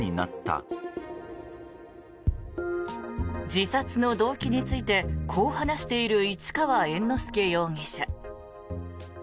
自殺の動機についてこう話している市川猿之助容疑者。